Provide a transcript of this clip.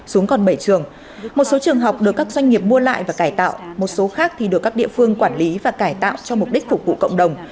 số trường học được các doanh nghiệp mua lại và cải tạo một số khác thì được các địa phương quản lý và cải tạo cho mục đích phục vụ cộng đồng